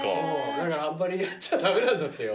だからあんまりやっちゃ駄目なんだってよ。